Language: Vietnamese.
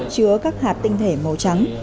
chứa các hạt tinh thể màu trắng